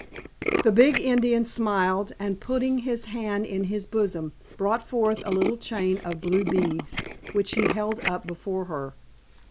The big Indian smiled, and putting his hand in his bosom, brought forth a little chain of blue beads which he held up before her.